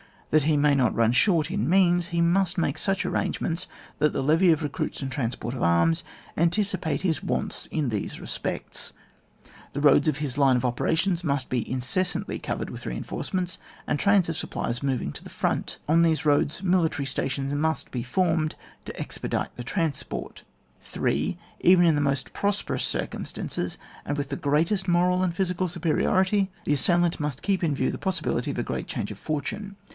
That he may not run short in means, he must make such ar rangements that the levy of recruits and transport of arms anticipate his wants in these respects; The roads on his line of operations must be iDeessantly covered with reinforcements and trains of sup plies moving to the front ; on those roads, military stations must be formed to ex pedite the transport. 3. Even in the most prosperous circum stances, and with the greatest moral and physical superiority, &e assailant must keep in view the possibility of a great change of fortune.